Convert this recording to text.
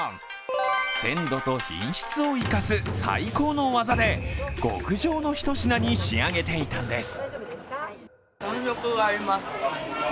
鮮度と品質を生かす最高の技で極上のひと品に仕上げていたんです。